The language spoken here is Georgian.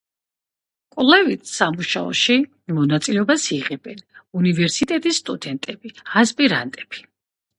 კვლევით სამუშაოში მონაწილეობას იღებენ უნივერსიტეტის სტუდენტები, ასპირანტები.